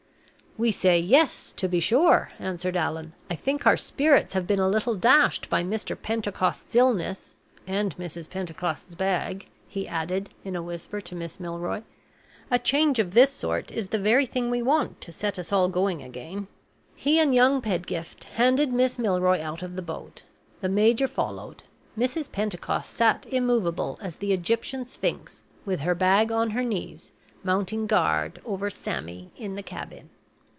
"We say yes, to be sure," answered Allan. "I think our spirits have been a little dashed by Mr. Pentecost's illness and Mrs. Pentecost's bag," he added, in a whisper to Miss Milroy. "A change of this sort is the very thing we want to set us all going again." He and young Pedgift handed Miss Milroy out of the boat. The major followed. Mrs. Pentecost sat immovable as the Egyptian Sphinx, with her bag on her knees, mounting guard over "Sammy" in the cabin.